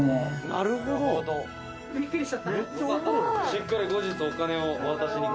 「しっかり後日お金をお渡しに」